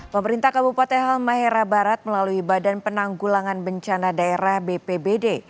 pemerintah kabupaten halmahera barat melalui badan penanggulangan bencana daerah bpbd